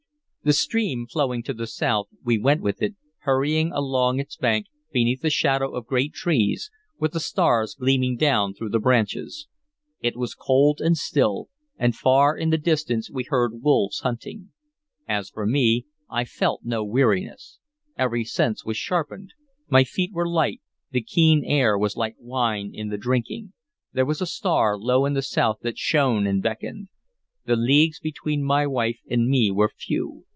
The stream flowing to the south, we went with it, hurrying along its bank, beneath the shadow of great trees, with the stars gleaming down through the branches. It was cold and still, and far in the distance we heard wolves hunting. As for me, I felt no weariness. Every sense was sharpened; my feet were light; the keen air was like wine in the drinking; there was a star low in the south that shone and beckoned. The leagues between my wife and me were few.